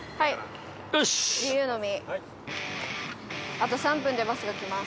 あと３分でバスが来ます。